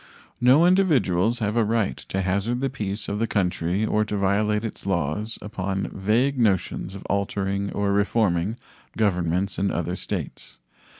No individuals have a right to hazard the peace of the country or to violate its laws upon vague notions of altering or reforming governments in other states.